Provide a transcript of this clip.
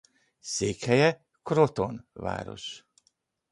Székhelye Crotone város.